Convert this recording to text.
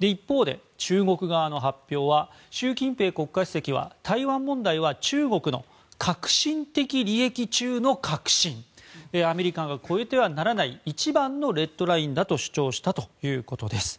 一方で中国側の発表は習近平国家主席は、台湾問題は中国の核心的利益中の核心アメリカが越えてはならない一番のレッドラインだと主張したということです。